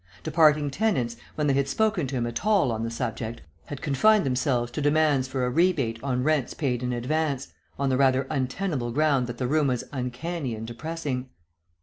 Departing tenants, when they had spoken to him at all on the subject, had confined themselves to demands for a rebate on rents paid in advance, on the rather untenable ground that the room was uncanny and depressing.